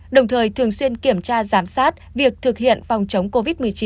đồng thời thường xuyên kiểm tra giám sát việc thực hiện phòng chống covid một mươi chín